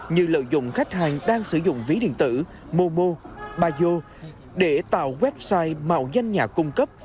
như lợi dụng khách hàng đang sử dụng ví điện tử momo bayo để tạo website mạo danh nhà cung cấp